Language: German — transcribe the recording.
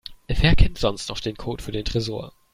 Wer kennt sonst noch den Code für den Tresor?